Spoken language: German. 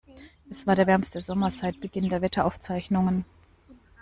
Es war der wärmste Sommer seit Beginn der Wetteraufzeichnungen.